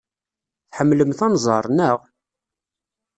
Tḥemmlemt anẓar, naɣ?